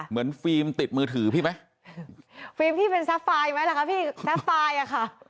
เหมือนฟิล์มติดมือถือพี่ไหมฟิล์มพี่เป็นซาไฟล์มั้ยแหละค่ะพี่ซาไฟล์ค่ะ